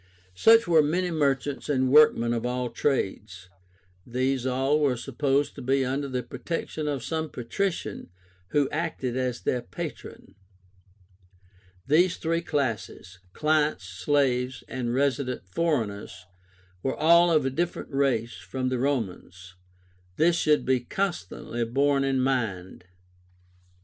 Such were many merchants and workmen of all trades. These all were supposed to be under the protection of some patrician who acted as their patron. These three classes, clients, slaves, and resident foreigners, were all of a different race from the Romans. This should be constantly borne in mind.